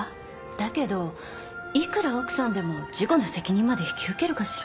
だけどいくら奥さんでも事故の責任まで引き受けるかしら？